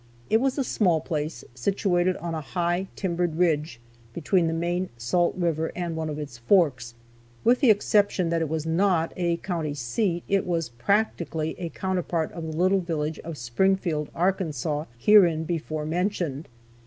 It was a small place, situated on a high, timbered ridge, between the main Salt river and one of its forks. With the exception that it was not a county seat, it was practically a counterpart of the little village of Springfield, Arkansas, hereinbefore mentioned.